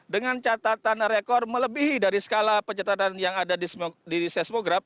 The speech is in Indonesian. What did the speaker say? dengan catatan rekor melebihi dari skala pencatatan yang ada di seismograf